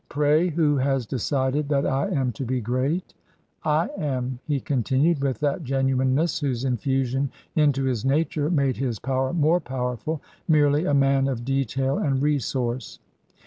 " Pray, who has decided that I am to be great ? I am," he continued, with that genuineness whose infusion into his nature made his power more powerful, " merely a man of detail and resource."